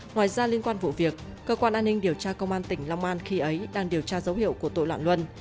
ngoài ra liên quan vụ việc cơ quan an ninh điều tra công an tỉnh long an khi ấy đang điều tra dấu hiệu của tội loạn luân